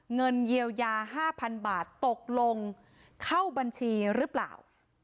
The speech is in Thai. เงินเยียวยา๕๐๐๐บาทตกลงเข้าบัญชีหรือเปล่า